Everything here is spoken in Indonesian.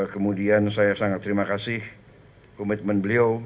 kemudian saya sangat terima kasih komitmen beliau